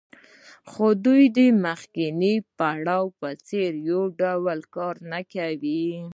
خو د مخکیني پړاو په څېر یې یو ډول کار نه کاوه